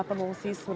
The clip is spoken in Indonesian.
itu juga sih